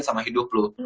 sama hidup lu